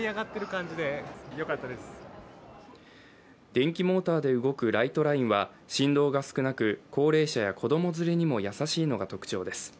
電気モーターで動くライトラインは振動が少なく、高齢者や子供連れにも優しいのが特徴です。